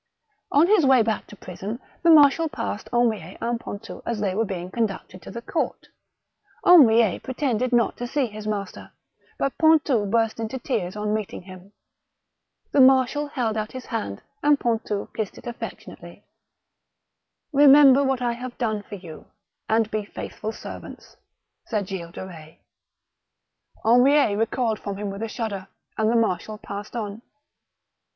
On his way back to prison, the marshal passed 216 THE BOOK OF WERE WOLVES. Henriet and Pontou as they were being conducted to the court. Henriet pretended not to see his master, but Pontou burst into tears on meeting him. The marshal held out his hand, and Pontou kissed it aJBTectionately. *' Eemember what I have done for you, and be faithful servants," said Gilles de Eetz. Henriet recoiled from him with a shudder, and the marshal passed on.